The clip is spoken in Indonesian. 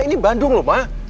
ini bandung loh ma